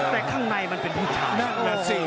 แนลข้างในมันเป็นผู้ชาว